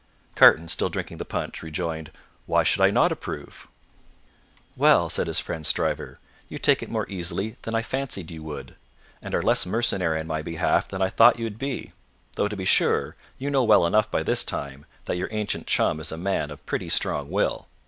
Carton, still drinking the punch, rejoined, "Why should I not approve?" "Well!" said his friend Stryver, "you take it more easily than I fancied you would, and are less mercenary on my behalf than I thought you would be; though, to be sure, you know well enough by this time that your ancient chum is a man of a pretty strong will.